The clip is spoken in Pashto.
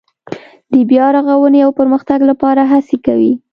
د بیا رغاونې او پرمختګ لپاره هڅې کوي.